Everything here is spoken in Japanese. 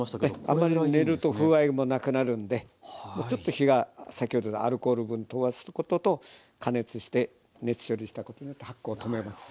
あまり練ると風合いもなくなるんでアルコール分飛ばすことと加熱して熱処理したことによって発酵を止めます。